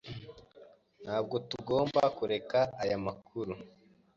Ntabwo tugomba kureka aya makuru.